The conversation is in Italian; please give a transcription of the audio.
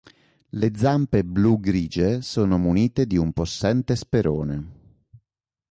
Le zampe blu-grigie sono munite di un possente sperone.